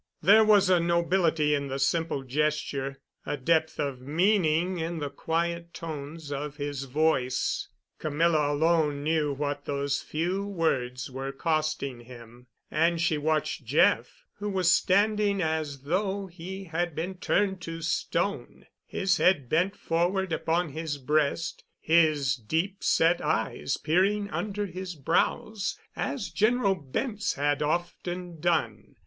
There was a nobility in the simple gesture, a depth of meaning in the quiet tones of his voice. Camilla alone knew what those few words were costing him, and she watched Jeff, who was standing as though he had been turned to stone, his head bent forward upon his breast, his deep set eyes peering under his brows as General Bent's had often done.